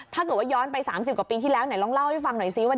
ถ้าเกิดว่าย้อนไป๓๐กว่าปีที่แล้วไหนลองเล่าให้ฟังหน่อยซิว่า